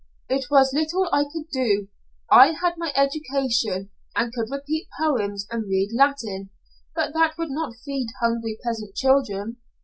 "It was little I could do. I had my education, and could repeat poems and read Latin, but that would not feed hungry peasant children.